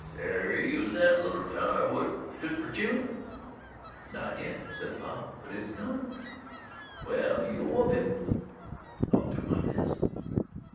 "Air you the little feller whut fit fer June?" "Not yet," said Bob; "but it's coming." "Well, you'll whoop him." "I'll do my best."